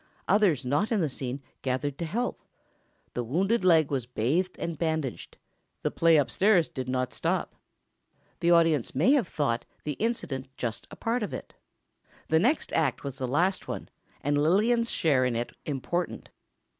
Others not in the scene gathered to help. The wounded leg was bathed and bandaged. The play upstairs did not stop. The audience may have thought the incident just a part of it. The next act was the last one, and Lillian's share in it important.